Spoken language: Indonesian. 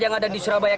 yang ada di surabaya